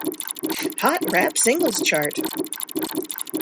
Hot Rap Singles Chart.